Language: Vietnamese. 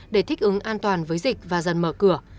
để thích ứng an toàn với dịch và dần mở cửa